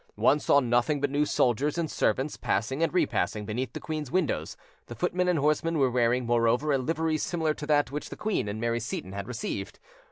One saw nothing but new soldiers and servants passing and repassing beneath the queen's windows: the footmen and horsemen were wearing, moreover, a livery similar to that which the queen and Mary Seyton had received.